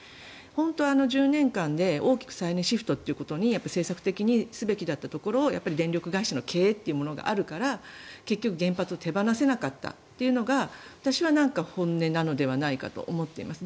本当はあの１０年間で大きく再エネシフトということに政策的にすべきだったところを電力会社の経営というものがあるから結局原発を手放せなかったというのが私は本音なのではないかと思っています。